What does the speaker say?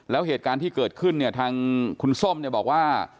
แล้วเหตุการณ์ที่เกิดขึ้นเนี่ยทางคุณส้มเนี่ยบอกว่า